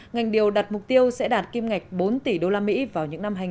ngành điều đặt mục tiêu sẽ đạt kim ngạch bốn tỷ usd vào những năm hai nghìn hai mươi